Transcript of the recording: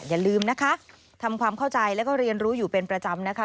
อย่าลืมนะคะทำความเข้าใจแล้วก็เรียนรู้อยู่เป็นประจำนะคะ